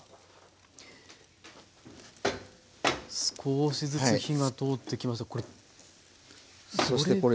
少しずつ火が通ってきました。